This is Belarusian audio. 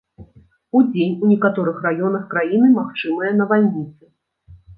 Удзень у некаторых раёнах краіны магчымыя навальніцы.